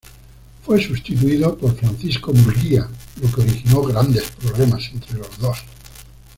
Fue sustituido por Francisco Murguía, lo que originó grandes problemas entre los dos.